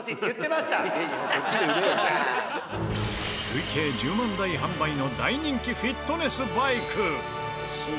累計１０万台販売の大人気フィットネスバイク。